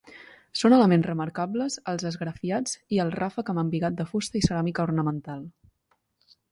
Són elements remarcables els esgrafiats i el ràfec amb embigat de fusta i ceràmica ornamental.